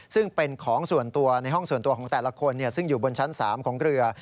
ซึ่งเป็นของส่วนตัวในห้องส่วนตัวของแต่ละคนซึ่งอยู่บนชั้น๓ของเรือ